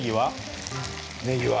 ねぎは？